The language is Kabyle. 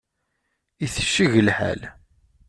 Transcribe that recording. Itecceg lḥal.